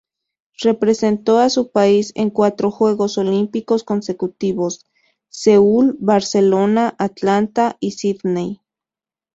Representó a su país en cuatro Juegos Olímpicos consecutivos: Seúl, Barcelona, Atlanta y Sidney.